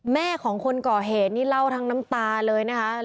แม่ของคนก่อเหตุนี่เล่าทั้งน้ำตาเลยนะคะ